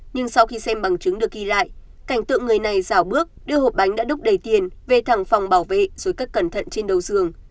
nhưng sau khi xem bằng chứng được ghi lại cảnh tượng người này giảo bước đưa hộp bánh đã đúc đầy tiền về thẳng phòng bảo vệ rồi cắt cẩn thận trên đầu dường